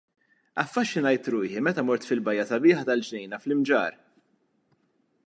Affaxxinajt ruħi meta mort fil-bajja sabiħa tal-Ġnejna fl-Imġarr.